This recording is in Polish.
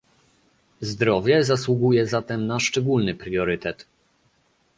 Zdrowie zasługuje zatem na szczególny priorytet